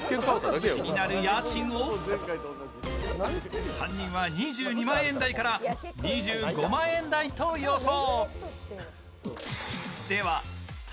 気になる家賃を３人は２２万円台から２５万円台と予想。